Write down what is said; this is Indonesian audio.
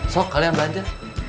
sok kalian belanja